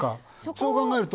そう考えると。